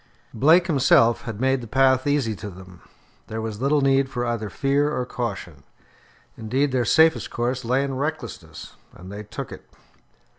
Blake himself had made the path easy to them. There was little need for either fear or caution. Indeed, their safest course lay in recklessness, and they took it.